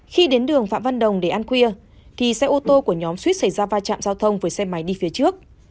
khi đến đường phạm văn đồng để ăn khuya thì xe ô tô của nhóm suýt xảy ra va chạm giao thông với xe máy đi phía trước